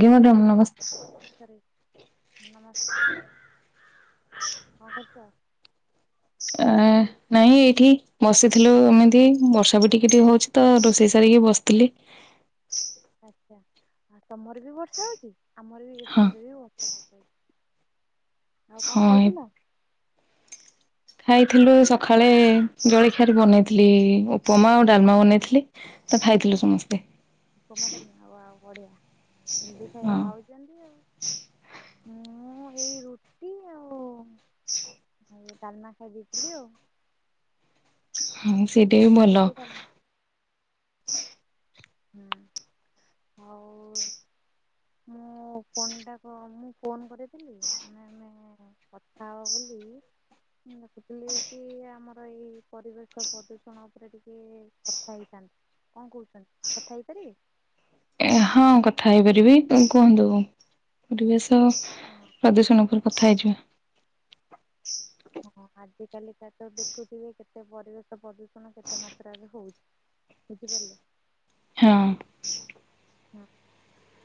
ବି madam ଗ ନମସ୍ତେ ନମସ୍କାର କଣ କରୁଛ? ଆ ନାଇଁ ଏଇଠି ବସିଥିଲୁ ଏମିତି ବର୍ଷା ବି ଟିକେ ଟିକେ ହଉଛି ତ ରୋଷେଇ ସାରିକି ବସିଥିଲି ଆଚ୍ଛା। ଆଉ ତମର ବି ବର୍ଷା ହଉଛି ଆମର ବି ହଁ ଏପଟରେ ବି ବର୍ଷା ପକଉଛି ଆଉ କଣ ହଁ ଖାଇଥିଲ? ଖାଇଥିଲୁ ସକାଳେ ଜଳଖିଆରେ ବନେଇଥିଲି ଉପମା ଆଉ ଡାଲମା ବନେଇଥିଲି। ତ ଖାଇଥିଲୁ ସମସ୍ତେ ଉପମା ଡାଲମା ଆଉ ଆଉ ବଢିଆ ହେଲ୍ଦି ଖାଇବା ହଁ। ଖାଉଛ ଆଉ ମୁଁ ଏଇ ରୁଟି ଆଉ [unintelligible] ଆଉ ଡାଲମା ଖାଇ ଦେଇଥିଲି ଆଉ ହଁ ସେଇଟା ବି ମୁଁ ଭଲ। ସେଇ ଡାଲମା ହୁଁ ହଉ ମୁଁ ଫୋନ୍ଟା ମୁଁ ଫୋନ୍ କରିଥିଲି ଆମେ ଆମେ ହଅ ବୋଲି ମୁଁ ଦେଖୁଥିଲି କି ଆମର ଏଇ ପରିବେଶ ପ୍ରଦୂଷଣ ଉପରେ ଟିକେ କଥା ହେଇଥାନ୍ତି କଣ କହୁଛନ୍ତି କଥା ହେଇପାରିବେ? ଏ ହଁ କଥା ହେଇପାରିବି କୁହନ୍ତୁ? ପରିବେଶ ପ୍ରଦୂଷଣ ଉପରେ କଥା ହେଇଯିବା ହଁ ଆଜିକାଲି ତ ତ ଦେଖୁଥିବେ କେତେ ପରିବେଶ ପ୍ରଦୂଷ ଷଣ କେତେ ମାତ୍ରାରେ ହଉଛି ବୁଝିପାରିଲେ ହଁ ହଁ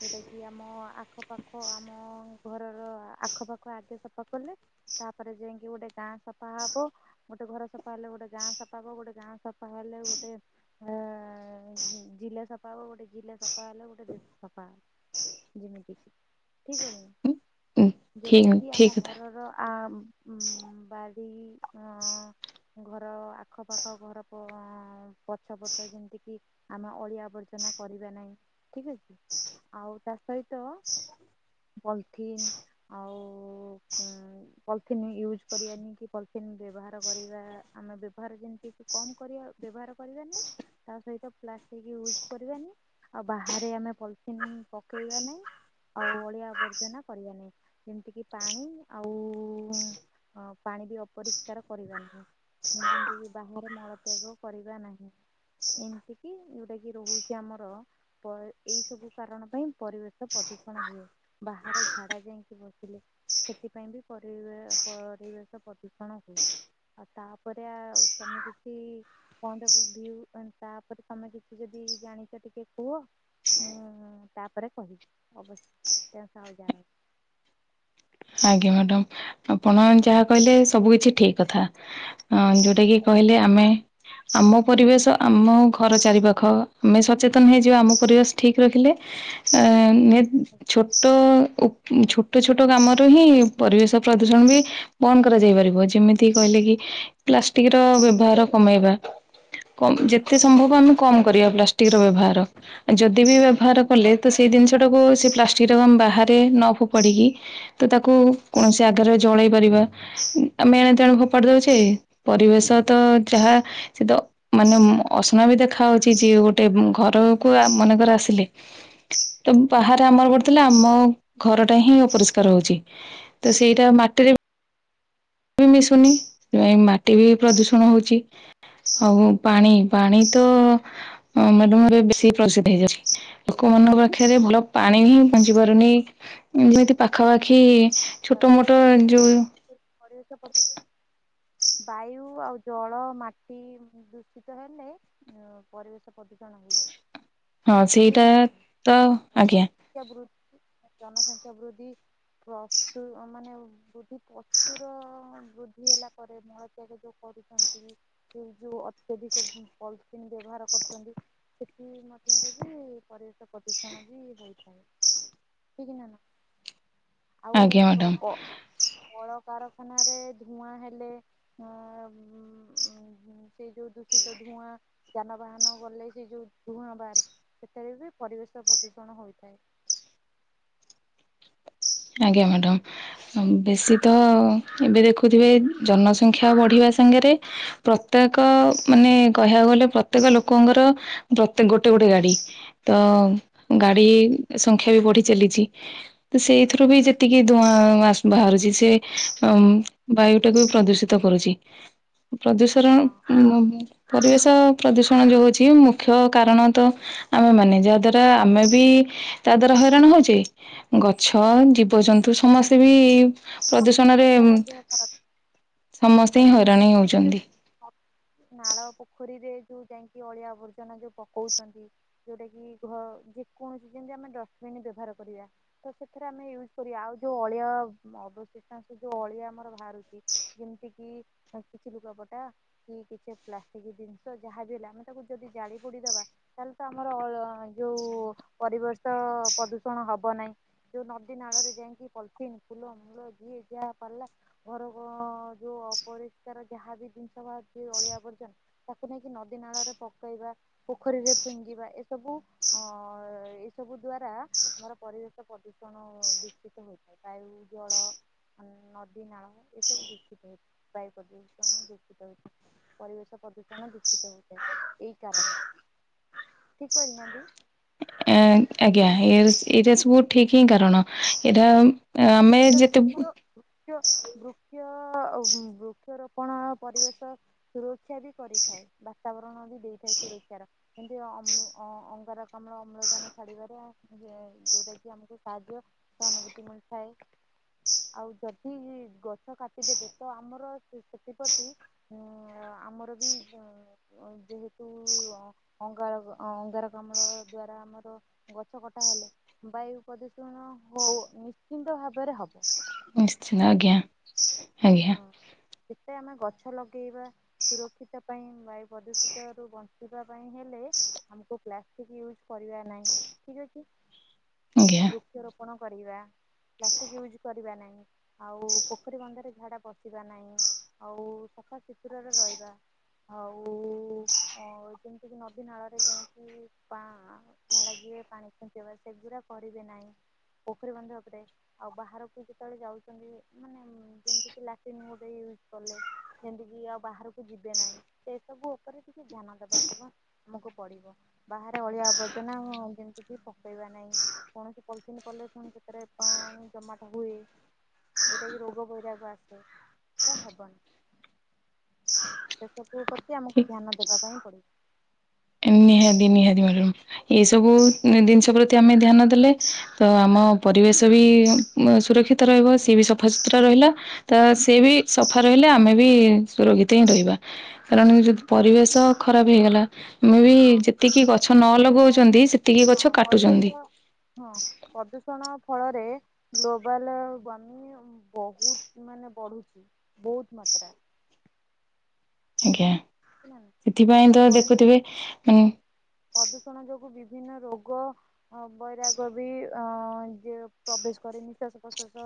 ଯଉଟା କିି ଆମ ଆଖପାଖ ଆମ ଘରର ଆଖପାଖ ଆଗେ ସଫା କଲେ ତାପରେ ଯାଇକି ଗୋଟେ ଗାଁ ସଫା ହବ ଗୋଟେ ଘର ସଫା ହେଲେ ଗୋଟେ ଗାଁ ସଫା ହବ ଗୋଟେ ଗାଁ ସଫା ହେଲେ ଗୋଟେ ହ ଜିଲ୍ଳା ସଫା ହେଲେ ଗୋଟେ ଜିଲ୍ଲା ସଫା ସଫା ହେଲା ଗୋଟେ ଦେଶ ସଫା ଯେମିତି କି ଠିକ କହିଲ୍ ନା ଯୋଉଟା ଠିକ କିି ଠିକ ଆମ କଥା ଘରର ଆଂ ବାଡ଼ି ଆ ଘର ଆଖପାଖ ଘର ପଛ ପଟ ଯେମିତିକି ଆମେ ଅଳିଆ ଆବର୍ଜନା କରିବା ନାହିଁ ଠିକ ଅଛି ଆଉ ତା ସହିତ ପଲିଥିନ ଆଉ ପଲିଥିନ୍ ୟୁଜ କରିବାନି କି ପଲିଥିନ୍ ବ୍ୟବହାର କରିବା ଆମେ ବ୍ୟବହାର ଯେମିତି କିଛି କମ କରିବା ବ୍ୟବହାର କରିବାନି ତା ସହିତ ପ୍ଲାଷ୍ଟିକ୍ ୟୁଜ୍ କରିବାନି ଆଉ ବାହାରେ ଆମେ ପଲିଥିନ ପକେଇବା ନାଇଁ ଆଉ ଅଳିଆ ଆବର୍ଜନା କରିବା ନାହିଁ ଯେମିତି କିି ପାଣି ଆଉ ହଁ ପାଣି ବି ଅପରିଷ୍କାର କରିବା ନାହିଁ ଯେମତି କି ବାହାରେ ମଳ ତ୍ୟାଗ କରିବା ନାହିଁ ଏମତି କିି ଯଉଟା କି ରହୁଛି ଆମର ଏଇ ସବୁ କାରଣ ପାଇଁ ପରିବେଶ ପ୍ରଦୂଷଣ ହୁଏ ବାହାରେ ଝାଡା ଯାଇକି ବସିଲେ ସେଥିପାଇଁ ବି ପରିବ ପରିବେଶ ପ୍ରଦୂଷଣ ହୁଏ। ଆଉ ତାପରେ ଆଉ ତମେ କିଛି। ପଏଣ୍ଟ ଅଫ ଭିଉ ତାପରେ ତମେ କିଛି ଯଦି ଜାଣିଛ ଟିକେ। କୁହ ହଁ ତାପରେ କହିବି ଅବଶ୍ୟ ସାଉଦି ଆରବ ଆଜ୍ଞା ମ୍ୟାଡାମ ଆପଣ ଯାହା କହିଲେ ସବୁ କିଛି ଠିକ କଥା। ଯୋଉଟା କିି ଆଜ୍ଞା କହିଲେ ଆମେ ଆମ ପରିବେଶ ଆମ ଘର ଚାରି ପାଖ ଆମେ ସଚେତନ ହେଇଯିବା ଆମ ପରିବେଶ ଠିକ ରଖିଲେ ଆ ଛୋଟ ଛୋଟ ଛୋଟ କାମରୁ ହିଁ ପରିବେଶ ପ୍ରଦୂଷଣ ବି ବନ୍ଦ କରାଯାଇ ପାରିବ ଯେମିତି କହିଲେ କି ପ୍ଲାଷ୍ଟିକ ର ବ୍ୟବହାର କମେଇବା। ଯେତେ ଆଜ୍ଞା। ସମ୍ଭବ ଆମେ କମ କରିବା ପ୍ଲାଷ୍ଟିକ ର ବ୍ୟବହାର। ଯଦି ବି ବ୍ୟବହାର କଲେ ତ ସେଇ ଜିନିଷଟାକୁ ସେ ପ୍ଲାଷ୍ଟିକଟାକୁ ଆମେ ବାହାରେ ନ ଫୋପାଡିକି ତ ତାକୁ କୌଣସି ଆଗରେ ଜଳେଇ ପାରିବା। ଆମେ ଏଣେ ତେଣେ ଫୋପାଡି ଦଉଛେ ପରିବେଶ ତ ଯାହା ସେ ତ ମାନେ ଅସନା ବି ଦେଖା ହଉଛି ଯିଏ ଗୋଟେ ଘରକୁ ମନେକର ଆସିଲେ ତ ବାହାରେ ଆମର ପଡୁଥିଲା ଆମ ଘରଟା ହିଁ ଅପରିଷ୍କାର ରହୁଛି। ତ ସେଇଟା ମାଟିରେ ବି ମିଶୁନି ସେଥିପାଇ ମାଟି ବି ପ୍ରଦୂଷଣ ହଉଛି। ଆଉ ପାଣି ପାଣି ତ ମାଧ୍ୟମରେ ଏ ବେଶୀ ପ୍ରଦୂଷିତ ହେଇଯାଉଛି। ଲୋକମାନଙ୍କ ପାଖରେ ଭଲ ପାଣି ହିଁ ପହଞ୍ଚି ପାରୁନି ଯେମିତି ପାଖାପାଖି ଛୋଟ ମୋଟ ଯେଉଁ ପରିବେଶ ପଧୂସ ବାୟୁ ଆଉ ଜଳ ମାଟି ଦୂଷିତ ହେଲେ ପରିବେଶ ପ୍ରଦୂଷଣ ହୁଏ। ହଁ ସେଇଟା ତ ଆଜ୍ଞା। ଜନ ବୃଦ୍ଧି ଜନସଂଖ୍ୟା ବୃଦ୍ଧି ପ୍ରସ୍ତୁ ମାନେ ବୃଦ୍ଧିକ ପ୍ରଚୁର ବୃଦ୍ଧି ହେଲା ପରେ ମଳତ୍ୟାଗ ଯୋଉ କରୁଛନ୍ତି ସେ ଯୋଉ ଅତ୍ୟଧିକ ପଲିଥିନ୍ ବ୍ୟବହାର କରୁଛନ୍ତି ସେଥି ମଧ୍ୟରେ ପରିବେଶ ପ୍ରଦୂଷଣ ବି ହୋଇଥାଏ ଠିକ୍ ନା ନା? ଆଉ ଆଜ୍ଞା କୁଅ ମ୍ୟାଡାମ କୁ କଳକାରଖାନାରେ ଧୂଆଁ ହେଲେ ହଁ ଉଁ ସେଇ ଯୋଉ ଦୂଷିତ ଧୂଆଁ ଯାନବାହାନ ଗଲେ ସେ ଯୋଉ ଧୂଆଁ ବାହାରେ ସେଥିରେ ବି ପରିବେଶ ପ୍ରଦୂଷଣ ହୋଇଥାଏ। ଆଜ୍ଞା ମ୍ୟାଡ଼ାମ। ବେଶୀ ତ ଏବେ ଦେଖୁଥିବେ ଜନସଂଖ୍ୟା ବଢ଼ିବା ସାଙ୍ଗରେ ପ୍ରତ୍ୟେକ ମାନେ କହିବାକୁ ଗଲେ ପ୍ରତ୍ୟେକ ଲୋକଙ୍କର ପ୍ରତ ଗୋଟେ ଗୋଟେ ଗାଡି। ତ ଗାଡି ସଂଖ୍ୟା ବି ବଢି ଚାଲିଛି ତ ସେଇ ଏଥିରୁ ବି ଯେତିକି ଧୂଆଁ ବାହାରୁଛି ସେ ଅଂ ବାୟୁ ଟାକୁ ବି ପ୍ରଦୂଷିତ କରୁଛି, ପ୍ରଦୂଷଣ ହଁ ଆଉ ପରିବେଶ ପ୍ରଦୂଷଣ ଯୋଉ ହଉଛି ମୁଖ୍ୟ କାରଣ ତ ଆମେ ମାନେ, ଯାହା ଦ୍ଵାରା ଆମେ ବି ତା ଦ୍ଵାରା ହଇରାଣ ହଉଛେ ଗଛ ଅ ଜୀବଜନ୍ତୁ ସମସ୍ତେ ବି ପ୍ରଦୂଷଣରେ ସମସ୍ତଙ୍କର ଦେହ ଖରାପ ସମସ୍ତେ ହିଁ ଆଜ୍ଞା ହଇରାଣ ହିଁ ତାପରେ ହଉଛନ୍ତି। ନାଳ ପୋଖରୀରେ ଯୋଉ ଯାଇଁକି ଅଳିଆ ଆବର୍ଜନା ଯୋଉ ପକଉଛନ୍ତି ଯୋଉଟା କିି ଘ ଯେକୌଣସି ଯେମିତି ଆମେ ଡଷ୍ଟବିନ ବ୍ୟବହାର କରିବା। ତ ସେଥିରେ ଆମେ ୟୁଜ କରିବା ଆଉ ଯୋଉ ଅଳିଆ ଅବଶିଷ୍ଟଂଶ ଯୋଉ ଅଳିଆ ଆମର ବାହାରୁଛି ଯେମିତି କିି କିଛି ଲୁଗାପଟା କି କିଛି ପ୍ଲାଷ୍ଟିକ ଜିନିଷ ଯାହା ବି ହେଲା ଆମେ ତାକୁ ଯଦି ଜାଳି ପୋଡିଦବା ତାହେଲେ ତ ଆମର ଯୋଉ ପରିବେଶ ପ୍ରଦୂଷଣ ହବ ନାହିଁ। ଯୋଉ ନଦି ନାଳରେ ଯାଇକି ପଲଥିନ୍ ଫୁଲ ମୂଳ ଯିଏ ଯାହା ପାରିଲା ଘର ଯୋଉ ଅପରିଷ୍କାର ଯାହାବି ଜିନିଷ ବାହରିଛି ଅଳିଆ ଆବର୍ଜନା ତାକୁ ନେଇକି ନଦୀ ନାଳରେ ପକେଇବା, ପୋଖରୀରେ ଫିଙ୍ଗିବା ଏସବୁ ଅ ଏ ସବୁ ଦ୍ଵାରା ଆମର ପରିବେଶ ପ୍ରଦୂଷଣ ଦୂଷିତ ହୋଇଥାଏ ବାୟୁ, ଜଳ ନଦୀ ନାଳ ଏସବୁ ଦୂଷିତ ହେଇ ବାୟୁ ପ୍ରଦୂଷଣ ଦୂଷିତ ହେଉଛି। ପରିବେଶ ପ୍ରଦୂଷଣ ଦୂଷିତ ହଉଥାଏ ଏଇ କାରଣରେ, ଠିକ କହିନାହାନ୍ତି? ଏ ଆଜ୍ଞା ଏ ଏଇଟା ସବୁ ଠିକ ହିଁ କାରଣ ଏଇଟା ଆଉ କଣ ଆମେ ଯେତେ କହୁଚନ୍ତି କୁହନ୍ତୁ? ବୃକ୍ଷ ବୃକ୍ଷ ବୃକ୍ଷରୋପଣ ପରିବେଶ ସୁରକ୍ଷା ବି କରିଥାଏ ବାତାବରଣ ବି ଦେଇଥାଏ ସୁରକ୍ଷା ର। କିମତି ଅମ ଅଂ ଅଙ୍ଗାରକାମ୍ଳ ଅମ୍ଳଜାନ ଛାଡିବାରେ ଯୋଉଟା କି ଆମକୁ ସାହାଯ୍ୟ ସହାନୁଭୂତି ମିଳିଥାଏ। ଆଉ ଯଦି ଗଛ କାଟିଦେବେ ତ ଆମର ସେଥିପ୍ରତି ହୁଁ ଆମର ବି ଯୋ ଯେହେତୁ ଅଙ୍ଗାର ଅଙ୍ଗାରକାମ୍ଳ ଦ୍ଵାରା ଆମର ଗଛ କଟା ହେଲେ ବାୟୁ ପ୍ରଦୂଷଣ ହଉ ନିଶ୍ଚିନ୍ତ ଭାବରେ ହବ। ନିଶ୍ଚିତ ଠିକ ଆଜ୍ଞା ଆଜ୍ଞା। କେତେ ଆମେ ଗଛ ଲଗେଇବା? ସୁରକ୍ଷିତ ପାଇଁ ବାୟୁ ପ୍ରଦୂଷିତ ରୁ ବଞ୍ଚିବା ପାଇଁ ହେଲେ ଆମକୁ ପ୍ଲାଷ୍ଟିକ ୟୁଜ କରିବା ନାହିଁ ଠିକ ଅଛି। ଆଜ୍ଞା ବୃକ୍ଷରୋପଣ କରିବା। ପ୍ଲାଷ୍ଟିକ୍ ୟୁଜ୍ କରିବା ନାହିଁ ଆଉ ପୋଖରୀ ବନ୍ଧରେ ଝାଡ଼ା ବଶିବା ନାହିଁ। ଆଉ ସଫାସୁତୁରାରେ ରହିବା। ହଉ ଅ ଯେମିତିକି ନଦୀ ନାଳରେ ଯାଇକି ପା ଝାଡା ଯିବେ ପାଣି ଖିଞ୍ଚିବା ସେଗୁଡା କରିବେ ନାହିଁ ପୋଖରୀ ବନ୍ଧ ଉପରେ। ଆଉ ବାହାରକୁ ଯେତେବେଳେ ଯାଉଛନ୍ତି ମାନେ ଯେମତି କି ଲାଟିନ୍ ଗୋଟେ ୟୁଜ୍ କଲେ। ସେମିତି କିି ଆଉ ବାହାରକୁ ଯିବେ ନାହିଁ ସେ ସବୁ ଉପରେ ଟିକେ ଧ୍ୟାନ ଦେବା ଅଥବା ଆମକୁ ପଡିବ ବାହାରେ ଅଳିଆ ଆବର୍ଜନା ଆମ ଯେମତି କି ପକେଇବା ନାହିଁ। କୌଣସି ପଲିସିିନ କଲେ ପୁଣି ସେଥିରେ ପାଣି ଜମାଟ ହୁଏ। ଯେଉଟା କିି ରୋଗ ବୈରାଗ ଆସେ ସେଇଟା ହେବନି। ସେ ସବୁ ପ୍ରତି ଠିକ ଆମକୁ ଧ୍ୟାନ ଦେବା ପାଇଁ ପଡିବ। ନିହାତି ନିହାତି ଭାବେ ଏଇ ସବୁ ଜିନିଷ ପ୍ରତି ଆମେ ଧ୍ୟାନ ଦେଲେ ତ ଆମ ପରିବେଶ ବି ସୁରକ୍ଷିତ ରହିବ ସିଏ ବି ସଫାସୁତୁରା ରହିଲା। ତ ସିଏ ବି ସଫା ରହିଲେ ଆମେ ବି ସୁରକ୍ଷିତ ହିଁ ରହିବା। କାରଣ ଯଦି ପରିବେଶ ଖରାପ ହେଇଗଲା। ଆମେ ବି ଯେତିକି ଗଛ ନ ହଁ ଲଗଉଛନ୍ତି ସେତିକି ହଁ ଗଛ ପରିବେଶ କାଟୁଛନ୍ତି। ହଁ ପ୍ରଦୂଷଣ ଫଳରେ ଗ୍ଲୋବାଲ ୱାର୍ମିଂ ବହୁତ ମାନେ ବଢୁଛି ବହୁତ ମାତ୍ରାରେ। ଆଜ୍ଞା ହେଲା ନା ସେଥିପାଇଁ ଆଉ ତ ପରିବେଶ ଦେଖୁଥିବେ ହଁ ପ୍ରଦୂଷଣ ଯୋଗୁ ବିଭିନ୍ନ ରୋଗ। ହ ବୈରାଗ ବି ଅ ଇଏ ପ୍ରବେଶ କରେ ନିଶ୍ଵାସ ପ୍ରଶ୍ଵାସ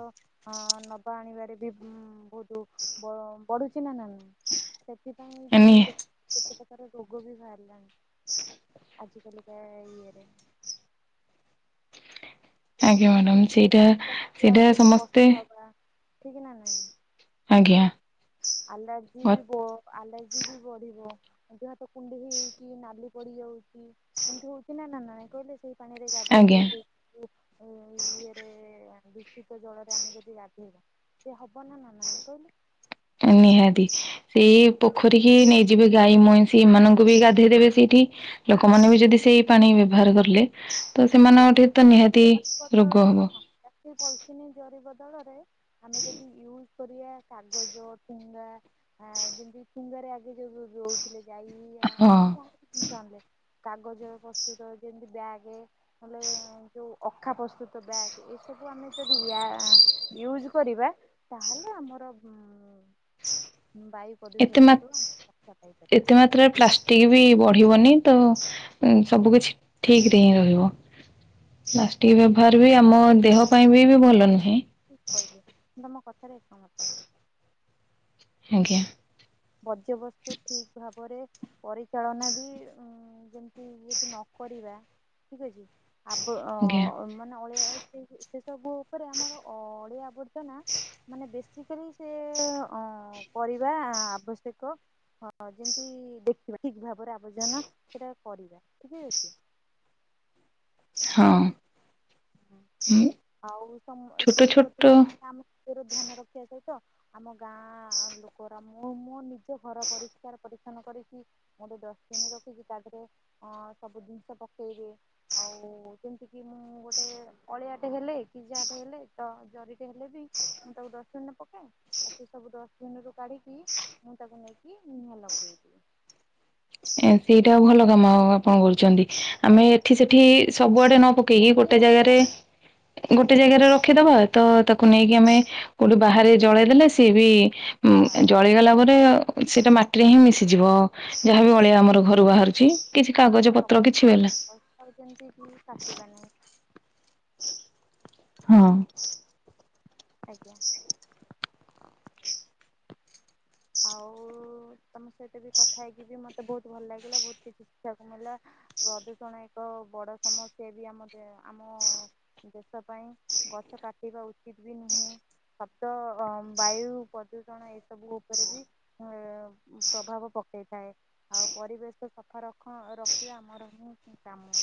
ଅ ନବା ଆଣିବାରେ ବି ବହୁତ ବ ବଢୁଛି ନା ନାଇ। ସେଥିପାଇଁ ବି କେତେ ପ୍ରକାର ରୋଗ ବି ବାହାରିଲାଣି। ହ ଆଜିକାଲିକା ଇଏରେ। ଆଜ୍ଞା ମ୍ୟାଡ଼ାମ ସେଇଟା ନିଶ୍ୱାସ ନେଲା ସେଇଟା ବେଳକୁ ବି ସମସ୍ତେ କଷ୍ଟ ହବା ଠିକ ନା ନାଇଁ। ଆଜ୍ଞା। ଆଲାର୍ଜି ବି ବ ଆଲର୍ଜି ବି ବଢିବ ଦେ ହାତ କୁଣ୍ଡେଇ ହେଇଯାଇଛି ନାଲି ପଡିଯାଉଛି। ଏମତି ହଉଛି ନା ନା ନା ନାଇଁ କହିଲେ ସେଇ ପାଣିରେ ଗାଧେଇଲେ ଆଜ୍ଞା ସେ ଏ ଇଏରେ ଦୂଷିତ ଜଳରେ ଆମେ ଯଦି ଗାଧେଇବା। ସେ ହବ ନା ନା କହିଲ। ନିହାତି ସେଇ ପୋଖରୀ କି ନେଇ ଯିବେ ଗାଈ ମଇଁଷି ଏମାନଙ୍କୁ ବି ଗାଧେଇ ଦେବେ ସେଇଠି। ଲୋକମାନେ ବି ଯଦି ସେଇ ପାଣି ବ୍ୟବହାର କଲେ। ତ ହଁ ପ୍ଲା ସେମାନଙ୍କଠି ତ ନିହାତି ଜରି ବଦଳ ରୋଗ ହେବ। ହଁ ପ୍ଲାଷ୍ଟିକ ପଲଥିନୀ ଜରି ବଦଳରେ ଆମେ ଯଦି ୟୁଜ କରିବା କାଗଜ ଟିଙ୍ଗାର। ହଁ ଯେମିତି ଫୁଙ୍ଗରେ ଆଗେ ଯୋଉ ରହୁଥିଲେ ଯାଇ ହଁ ଯାହା ବି ଜିନିଷ ଆଣିଲେ। କାଗଜ ପ୍ରସ୍ତୁତ ଯେମିତି ବ୍ୟାଗ୍। ହେଲେ ଯୋଉ ଅଖା ପ୍ରସ୍ତୁତ ବ୍ୟାଗ୍ ଏସବୁ ଆମେ ଯଦି ୟୁଜ୍ କରିବା। ତାହେଲେ ଆମର ଉ ବାୟୁ। ଏତେ ପ୍ରଦୂଷିତରୁ ଆମେ ରକ୍ଷା ପାଇପାରିବା। ଏତେ ମାତ୍ରାରେ ପ୍ଲାଷ୍ଟିକ ବି ବଢିବନି ତ। ସବୁ କିଛି ଠିକ ରେ ହିଁ ରହିବ ପ୍ଲାଷ୍ଟିକ। ବାର ବି ଆମ ଦେହ ପାଇଁ ବି ବି ଭଲ ନୁହେଁ। ଠିକ୍ କହିଲେ କି ତୁମ କଥାରେ ଏକମତ। ଆଜ୍ଞା। ବର୍ଜ୍ୟବସ୍ତୁ ଠିକ ଭାବରେ। ପରିଚାଳନା ବି ଯେମିତି ଯଦି ନକରିବା ଠିକ ଅଛି। ଆବ ଆଜ୍ଞା ମାନେ ଅଳିଆ ସେ ସବୁ ଉପରେ ଆମର ଅଳିଆ ଆବର୍ଜନା। ମାନେ ବେସିକାଲି ସେ କରିବା ଆବଶ୍ୟକ। ହଁ ଯେମିତି ଦେଖିବା ଠିକ ଭାବରେ ଆବର୍ଜନା ସେଟା କରିବା ଠିକ ଅଛି। ହଁ। ହୁଁ ଆଉ ଛୋଟ ଛୋଟ ସେଥିପତି କି ଆମେ ଆମ। ଧ୍ୟାନ ରଖିବା ସହିତ ଆମ ଗାଁ ଲୋକର ମୁଁ ମୋ ନିଜ। ଘର ପରିଷ୍କାର କରି। ଦନ କରିକି ଗୋଟେ ଡଷ୍ଟବିନ ରଖିକି ତା ଦେହରେ ଅ ସବୁ ଜିନିଷ ପକେଇଦିଏ। ଆଉ ସେମତି କି ମୁଁ ଗୋଟେ। ଅଳିଆଟେ ହେଲେ କି ଯାହାଟେ ହେଲେ ତ ଜରିଟେ ହେଲେ ବି ମୁଁ ତାକୁ ଡଷ୍ଟବିନରେ ପକାଏ। ଆଉ ସେ ସବୁ ଡଷ୍ଟବିନ ରୁ କାଢିକି ମୁଁ ତାକୁ ନେଇକି ନିଆଁ ଲଗେଇଦିବି। ଏ ସେଇଟା ଭଲ କାମ ଆପଣ କରୁଛନ୍ତି ଆମେ ଏଠି ସେଠି ସବୁଆଡେ ନ ପକେଇ। ପକେଇକି ଗୋଟେ ପକେଇବା ଜାଗାରେ ପକା ଗୋଟେ ଜାଗାରେ ରଖିଦବା ତ ତାକୁ ହଁ ନେଇକି ଆମେ। କୋଉଠି ବାହାରେ ଜଳେଇଦେଲେ ସିଏ ବି ବାସ୍ ଜଳେଇ ଗଲା ପରେ। ସେଇଟା ମାଟିରେ ହିଁ ମିଶିଯିବ ଯାହାବି ଅଳିଆ ଆମର ଘର। ଗଛ ବାହାରୁଛି କିଛି କାଗଜ ପତ୍ର କିଛି ହେଲା। ଆଉ ଯେମତି କି କାଷିବା ନାହି। ହଁ। ଆଜ୍ଞା। ଆଉ ତମ ସହିତ ବି କଥା ହେଇକି ବି ମତେ ବହୁତ ଭଲ ଲାଗିଲା ବହୁତ କିଛି ଶିଖିବାକୁ ମିଳିଲା। ପ୍ରଦୂଷଣ ଏକ ବଡ ସମସ୍ୟା ବି ଆମ ଆମ। ଦେଶ ପାଇଁ ଗଛ କାଟିବା ଉଚିତ ବି ନୁହେଁ। ଶଦ୍ଦ ବାୟୁ ପ୍ରଦୂଷଣ ଏସବୁ। ଉପରେ ବି ପ୍ରଭାବ ପକେଇଥାଏ। ଆଉ ପରିବେଶ ସଫା ରଖ ରଖିବା ଆମର ହିଁ କାମ।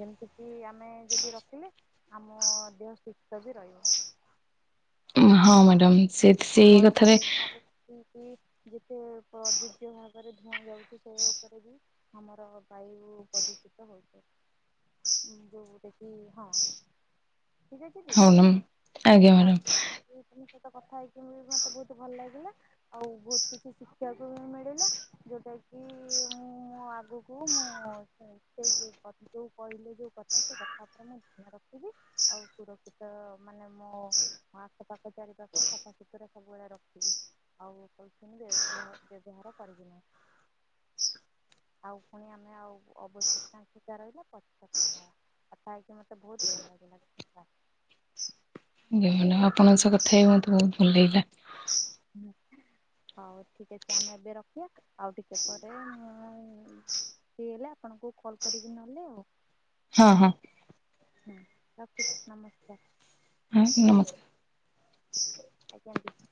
ଯେମିତି କିି ଆମେ ଯଦି ରଖିଲେ ଆମ ଦେହ ସୁସ୍ଥ ବି ରହିବ। ହଁ ମ୍ୟାଡ଼ମ୍ ସେ ସେଇ କଥାରେ। କି ଯେତେ ପ୍ରଯୋଜ୍ୟ ଭାବେ। ଉପରେ ଧୂଆଁ ଯାଉଛି ସେ ଉପରେ ବି ଆମର ବାୟୁ ପ୍ରଦୂଷିତ ହଉଛ। ଯୋଉଟା କିି ହଁ। ଠିକ ଅଛି ଦି ହଉ ଆଜ୍ଞା ହଉ ମ୍ୟାଡ଼ାମ। ସହିତ କଥା ହେଇକି ମତେ ବହୁତ ଭଲ ଲାଗିଲା ଆଉ ବହୁତ କିଛି ଶିକ୍ଷିବାକୁ ବି ମିଳିଲା ଯୋଉଟା କି ମୁଁ ଆଗକୁ ମୁଁ ସେଇ ଯ ଯୋଉ କହିଲେ ଯୋଉ କଥା ସେ କଥା ଉପରେ ମୁଁ ଧ୍ୟାନ ରଖିବି ଆଉ ସୁରକ୍ଷିତ ମାନେ ମୋ ଆଖ ପାାଖ ଚାରିପାଖ ସଫାସୁତୁରା ସବୁବେଳେ ରଖିବି ଆଉ ପଲଥିନ ବ ବ୍ୟବହାର କରିବି ନାହିଁ। ଆଉ ପୁଣି ଆମେ ଆଉ ଅବଶିଷ୍ଟାଂଶିକା ରହିଲା ପଚ କଥା କଥା ହେଇକି ମୋତେ ବହୁତ ଭଲ ଲାଗିଲା ଧନ୍ୟବାଦ। ଆଜ୍ଞା ମ୍ୟାଡ଼ାମ ଆପଣଙ୍କ ସହ କଥା ହେଇକିମୋତେ ବହୁତ ଭଲ ଲାଗିଲା। ହଁ। ହଉ ଠିକ୍ ଅଛି ଆମେ ଏବେ ରଖିବା ଆଉ ଟିକେ ପରେ ମୁଁ [inaudible] ହେଲେ ଆପଣଙ୍କୁ କଲ୍ କରିକି ନହେଲେ ଆଉ ହଁ ହଁ। ହଁ ରଖୁଛି ନମସ୍କାର। ହଁ ନମସ୍କାର। ଆଜ୍ଞା ଦିଦି।